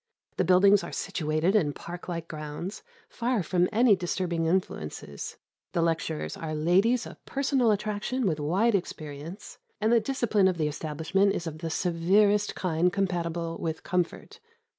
The buildings are situated in park like grounds, far from any disturbing influences. The lecturers are ladies of personal attraction with wide experience, and the discipline of the establishment is of the severest kind compatible with comfort.